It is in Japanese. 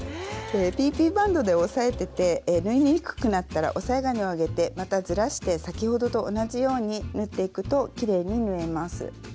ＰＰバンドで押さえてて縫いにくくなったら押さえ金を上げてまたずらして先ほどと同じように縫っていくときれいに縫えます。